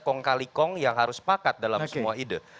kong kali kong yang harus sepakat dalam semua ide